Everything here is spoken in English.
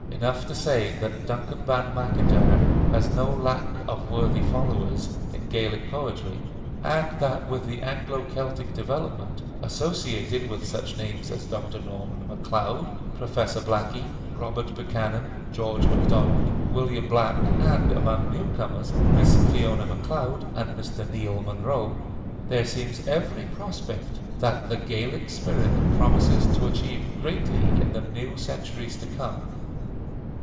Enough to say that Duncan Ban Macintyre has no lack of worthy followers in Gaelic poetry, and that with the Anglo Celtic development, associated with such names as Dr. Norman Macleod, Professor Blackie, Robert Buchanan, George MacDonald, William Black, and, among new comers, Miss Fiona Macleod and Mr. Neil Munro, there seems every prospect that the Gaelic spirit promises to achieve greatly in the new centuries to come.